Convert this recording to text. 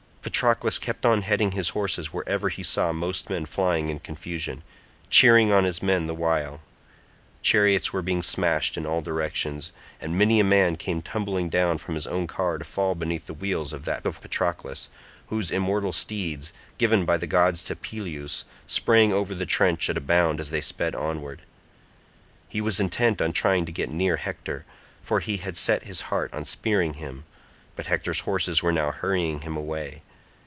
Patroclus kept on heading his horses wherever he saw most men flying in confusion, cheering on his men the while. Chariots were being smashed in all directions, and many a man came tumbling down from his own car to fall beneath the wheels of that of Patroclus, whose immortal steeds, given by the gods to Peleus, sprang over the trench at a bound as they sped onward. He was intent on trying to get near Hector, for he had set his heart on spearing him, but Hector's horses were now hurrying him away.